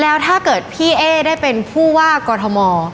แล้วถ้าเกิดพี่เอ๊ได้เป็นผู้ว่ากอทม